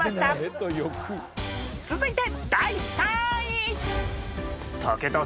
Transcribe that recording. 続いて。